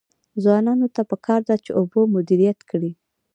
ځوانانو ته پکار ده چې، اوبه مدیریت کړي.